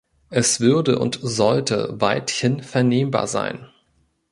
Es würde, und sollte, weithin vernehmbar sein.